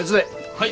はい！